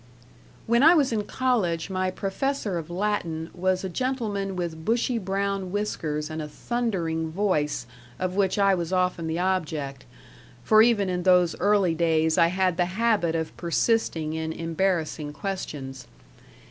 When I was in college my professor of Latin was a gentleman with bushy brown whiskers and a thundering voice of which I was often the object for even in those early days I had the habit of persisting in embarrassing questions.